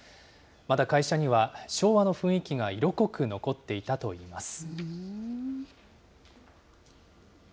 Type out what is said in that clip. まだ会社には昭和の雰囲気が色濃く残っていたといいます。